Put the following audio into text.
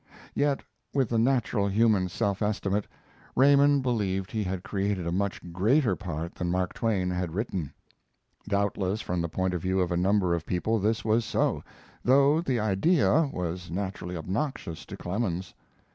Yet, with a natural human self estimate, Raymond believed he had created a much greater part than Mark Twain had written. Doubtless from the point of view of a number of people this was so, though the idea, was naturally obnoxious to Clemens.